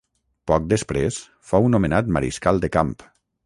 Poc després fou nomenat Mariscal de Camp.